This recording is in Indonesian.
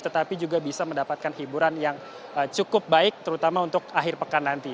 tetapi juga bisa mendapatkan hiburan yang cukup baik terutama untuk akhir pekan nanti